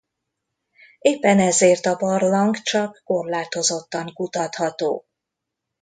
Éppen ezért a barlang csak korlátozottan kutatható.